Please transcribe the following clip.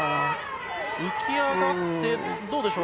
浮き上がってどうでしょう。